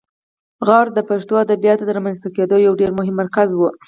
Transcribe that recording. غور د پښتو ادبیاتو د رامنځته کیدو یو ډېر مهم مرکز و